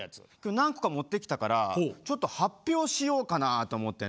何個か持ってきたからちょっと発表しようかなと思ってね。